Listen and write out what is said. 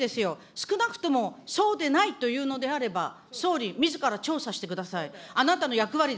少なくともそうでないというのであれば、総理、みずから調査してください。